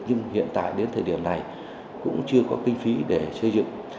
nhưng hiện tại đến thời điểm này cũng chưa có kinh phí để xây dựng